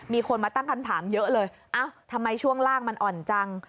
มีคนมาตั้งคำถามเยอะเลยทำไมช่วงล่างมันอ่อนจัง